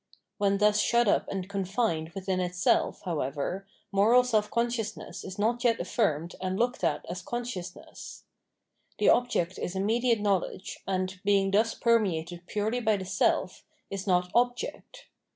When thus shut up and confined within itself, however, moral self consciousness is not yet affirmed and looked at as consciousness,'^ The object is immediate knowledge, and, being thus permeated purely by the self, is not object.